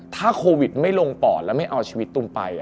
ถ้าโควิดไม่ลงปอดแล้วไม่เอาชีวิตตุ้มไป